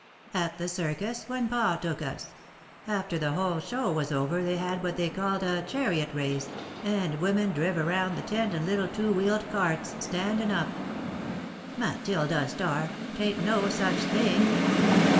"At the circus, when Pa took us. After the whole show was over they had what they called a chariot race, and women driv' around the tent in little two wheeled carts, standin' up." "Matilda Starr! 'Tain't no such thing!"